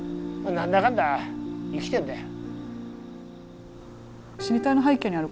何だかんだ生きてんだよ。